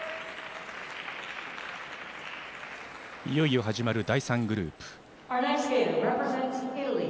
いよいよ始まる第３グループ。